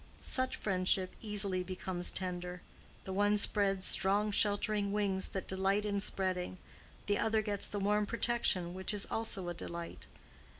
Such friendship easily becomes tender: the one spreads strong sheltering wings that delight in spreading, the other gets the warm protection which is also a delight.